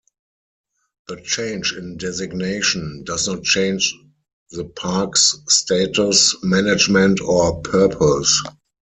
The change in designation does not change the park's status, management, or purpose.